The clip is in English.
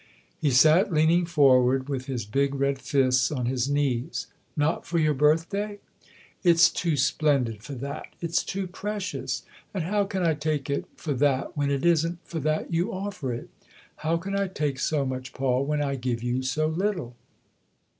He sat leaning forward with his big red fists on his knees. " Not for your birthday ?"" It's too splendid for that it's too precious, And how can I take it for that when it isn't for that you offer it ? How can I take so much, Paul, when I give you so little